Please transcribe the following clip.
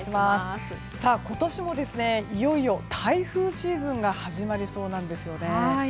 今年も、いよいよ台風シーズンが始まりそうなんです。